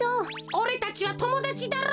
おれたちはともだちだろ！